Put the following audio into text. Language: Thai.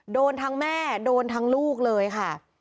โดนทั้งแม่โดนทั้งลูกเลยค่ะ